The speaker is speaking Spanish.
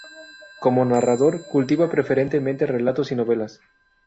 Como narrador, cultiva preferentemente relatos y novelas.